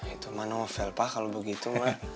itu mah novel pak kalau begitu